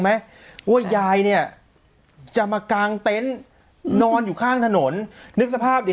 ไหมว่ายายเนี่ยจะมากางเต็นต์นอนอยู่ข้างถนนนึกสภาพดิ